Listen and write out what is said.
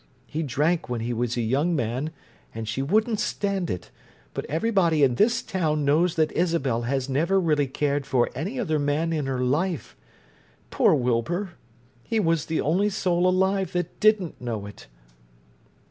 He drank when he was a young man, and she wouldn't stand it, but everybody in this town knows that Isabel has never really cared for any other man in her life! Poor Wilbur! He was the only soul alive that didn't know it!"